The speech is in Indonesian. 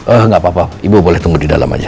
ah nggak apa apa ibu boleh tunggu di dalam aja